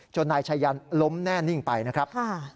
นายชายันล้มแน่นิ่งไปนะครับ